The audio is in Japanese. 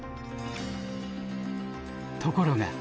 ところが。